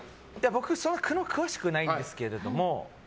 僕、そんなに詳しくはないんですけども。